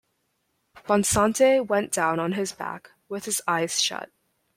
Bonsante went down on his back, with his eyes shut.